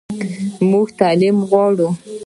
موږ تعلیم غواړو